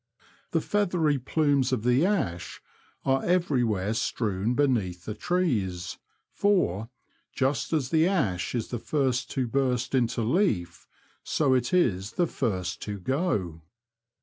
The feathery plumes of the ash are everywhere strewn beneath the trees, for, just as the ash is the first to burst into leaf, so it is the first to go.